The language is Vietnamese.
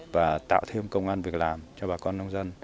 và tạo thêm công an việc làm cho bà con nông dân